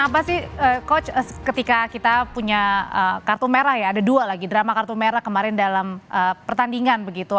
apa sih coach ketika kita punya kartu merah ya ada dua lagi drama kartu merah kemarin dalam pertandingan begitu